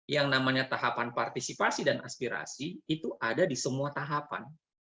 yang namanya tahapan partisipasi dan aspirasi itu ada di semua tahapan